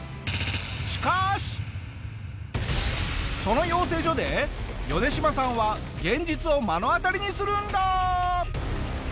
その養成所でヨネシマさんは現実を目の当たりにするんだ！